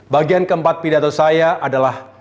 bagian keempat pidato saya adalah